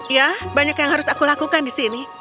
ya banyak yang harus aku lakukan di sini